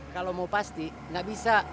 kalau mau pasti nggak bisa